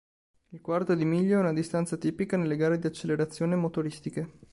Il quarto di miglio è una distanza tipica nelle gare di accelerazione motoristiche